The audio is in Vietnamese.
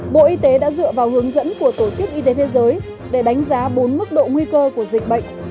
bộ y tế đã dựa vào hướng dẫn của tổ chức y tế thế giới để đánh giá bốn mức độ nguy cơ của dịch bệnh